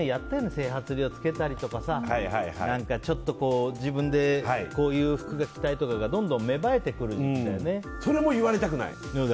整髪料つけたりとか自分でこういう服が着たいとかそれも言われたくない。